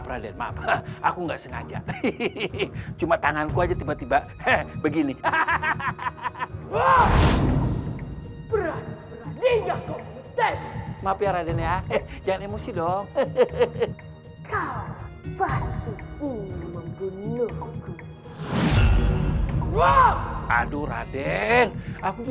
raden ini masih kekuatan seperti dulu lagi